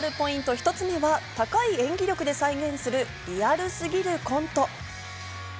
１つ目は高い演技力で再現するリアルすぎるコント。